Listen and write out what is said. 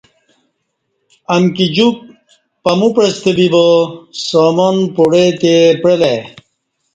امکی جوک پمو پعستہ بیبا سامان پوڑے تہ پعلہ ای